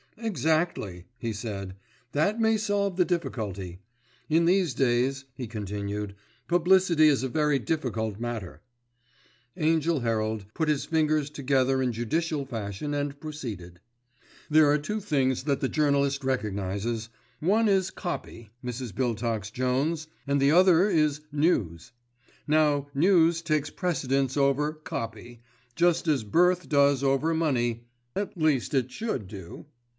"Exactly," he said. "That may solve the difficulty. In these days," he continued, "publicity is a very difficult matter." Angell Herald put his fingers together in judicial fashion and proceeded, "There are two things that the journalist recognises. One is 'copy,' Mrs. Biltox Jones, and the other is 'news.' Now news takes precedence over 'copy,' just as birth does over money, at least, it should do."